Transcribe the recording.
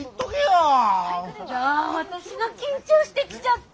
あ私が緊張してきちゃった！